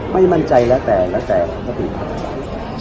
ไม่มั่นใจแล้วแต่แล้วแต่คนอื่นครับ